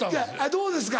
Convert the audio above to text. どうですか？